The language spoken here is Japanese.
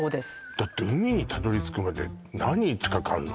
だって海にたどりつくまで何日かかんの？